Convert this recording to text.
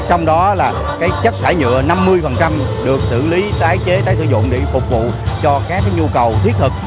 trong đó là chất thải nhựa năm mươi được xử lý tái chế tái sử dụng để phục vụ cho các nhu cầu thiết thực